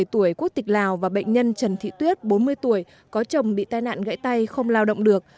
ba mươi tuổi quốc tịch lào và bệnh nhân trần thị tuyết bốn mươi tuổi có chồng bị tai nạn gãy tay không lao động được